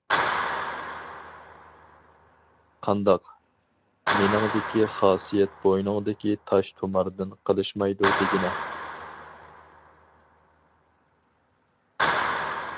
قانداق، مېنىڭدىكى خاسىيەت بوينۇڭدىكى تاش تۇماردىن قېلىشمايدۇ دېگىنە.